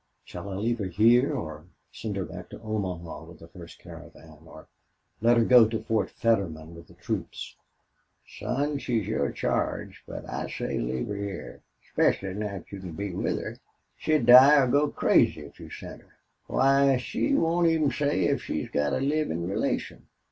"Shall I leave her here or send her back to Omaha with the first caravan, or let her go to Fort Fetterman with the troops?" "Son, she's your charge, but I say leave her hyar, 'specially now you can be with us. She'd die or go crazy if you sent her. Why, she won't even say if she's got a livin' relation.